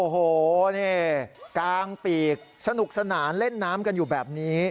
โอ้โหนี่กลางปีกสนุกสนานเล่นน้ำกันอยู่แบบนี้